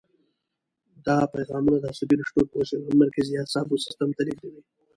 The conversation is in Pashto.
دا پیغامونه د عصبي رشتو په وسیله مرکزي اعصابو سیستم ته لېږدوي.